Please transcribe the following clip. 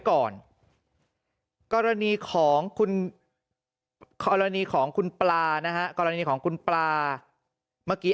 ก่อนกรณีของคุณกรณีของคุณปลานะฮะกรณีของคุณปลาเมื่อกี้